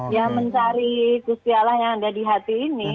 ya mencari gusti allah yang ada di hati ini